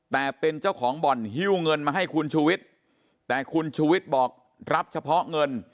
แต่เป็นเจ้าของบ่อนฮิ้วเงินมาให้คุณชูวิทย์แต่คุณชูวิทย์บอกรับเฉพาะเงิน